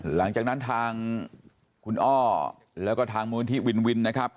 หลังจากนั้นทางคุณอ้อมือมือณที่วินวินนะครับ